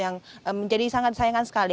yang menjadi sangat sayangkan sekali